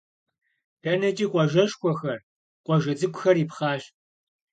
ДэнэкӀи къуажэшхуэхэр, къуажэ цӀыкӀухэр ипхъащ.